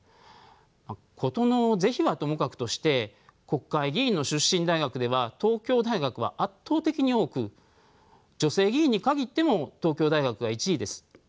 ことの是非はともかくとして国会議員の出身大学では東京大学は圧倒的に多く女性議員に限っても東京大学が１位です。